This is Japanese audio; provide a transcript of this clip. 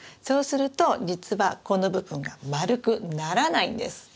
そうすると実はこの部分が丸くならないんです。